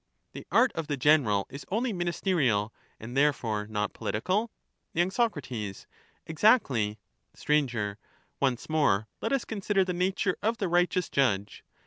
The art of the general is only ministerial, and there fore not political ? y. Sac. Exactly. Sir. Once more let us consider the nature of the righteous judge.